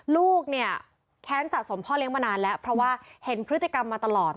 ลูกเนี่ยแค้นสะสมพ่อเลี้ยมานานแล้วเพราะว่าเห็นพฤติกรรมมาตลอด